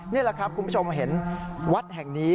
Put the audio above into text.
นี่แหละครับคุณผู้ชมเห็นวัดแห่งนี้